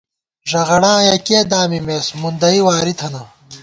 ݫغَڑاں یَکیہ دامِمېس ، مُندئی واری تھنہ